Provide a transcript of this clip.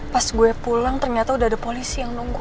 pas gue pulang ternyata udah ada polisi yang nunggu